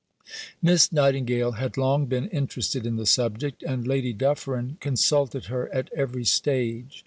Miss Nightingale had long been interested in the subject, and Lady Dufferin consulted her at every stage.